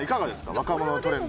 若者のトレンド。